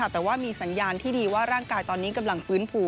แต่ว่ามีสัญญาณที่ดีว่าร่างกายตอนนี้กำลังฟื้นฟู